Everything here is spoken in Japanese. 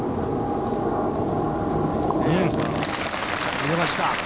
入れました。